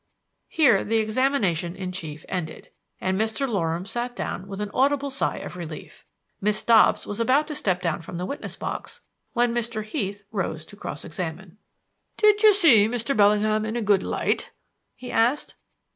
Here the examination in chief ended, and Mr. Loram sat down with an audible sigh of relief. Miss Dobbs was about to step down from the witness box when Mr. Heath rose to cross examine. "Did you see Mr. Bellingham in a good light?" he asked.